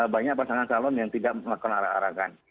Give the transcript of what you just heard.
banyak pasangan calon yang tidak melakukan arak arakan